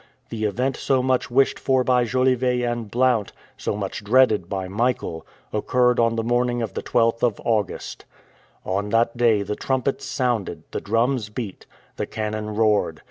The event so much wished for by Jolivet and Blount, so much dreaded by Michael, occurred on the morning of the 12th of August. On that day the trumpets sounded, the drums beat, the cannon roared.